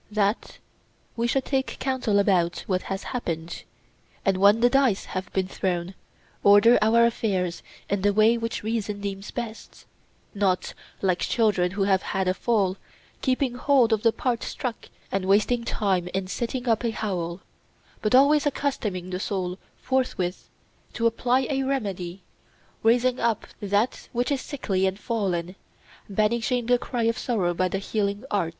That we should take counsel about what has happened, and when the dice have been thrown order our affairs in the way which reason deems best; not, like children who have had a fall, keeping hold of the part struck and wasting time in setting up a howl, but always accustoming the soul forthwith to apply a remedy, raising up that which is sickly and fallen, banishing the cry of sorrow by the healing art.